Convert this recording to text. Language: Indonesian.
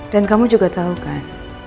dan kamu juga tau kan